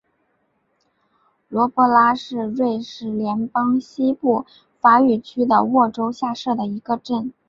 罗普拉是瑞士联邦西部法语区的沃州下设的一个镇。